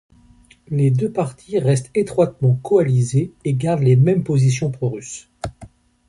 Les deux partis restent étroitement coalisés et gardent les mêmes positions pro-russes.